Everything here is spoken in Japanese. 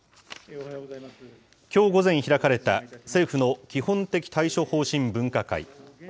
きょう午前開かれた、政府の基本的対処方針分科会。